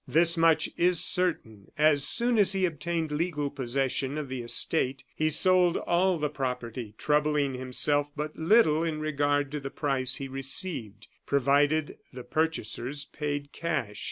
This much is certain, as soon as he obtained legal possession of the estate, he sold all the property, troubling himself but little in regard to the price he received, provided the purchasers paid cash.